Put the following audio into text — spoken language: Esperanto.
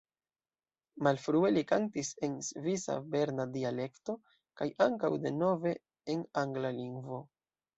Malfrue li kantis en svisa berna dialekto, kaj ankaŭ de nove en angla lingvo.